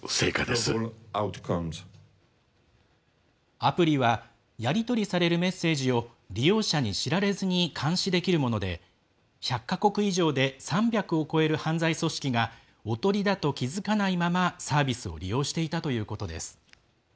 アプリはやり取りされるメッセージを利用者に知られずに監視できるもので１００か国以上で３００を超える犯罪組織がおとりだと気付かないままサービスを利用していたということです。